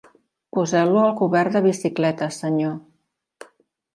Poseu-lo al cobert de bicicletes, senyor.